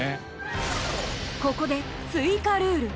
ここで追加ルール。